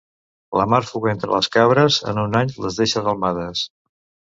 La marfuga entre les cabres en un any les deixa delmades.